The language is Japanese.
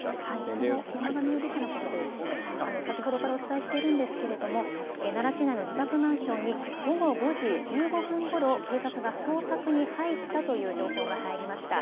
その山上容疑者のことで、先ほどからお伝えしているんですけれども、奈良市内の自宅マンションに、午後５時１５分ごろ、警察が捜索に入ったという情報が入りました。